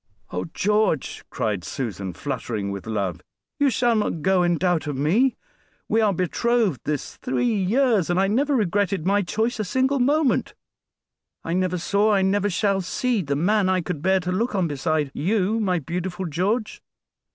"Oh! George," cried Susan, fluttering with love; "you shall not go in doubt of me. We are betrothed this three years, and I never regretted my choice a single moment. I never saw, I never shall see, the man I could bear to look on beside you, my beautiful George.